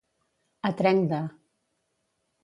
A trenc de.